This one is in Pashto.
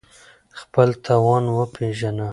خپل توان وپېژنه